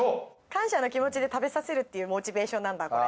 感謝の気持ちで食べさせるっていうモチベーションなんだこれ。